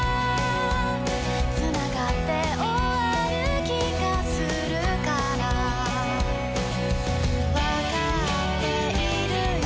「繋がって終わる気がするから」「わかっているよ」